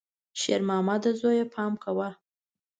شېرمامده زویه، پام کوه!